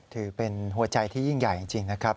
ถือเป็นหัวใจที่ยิ่งใหญ่จริงนะครับ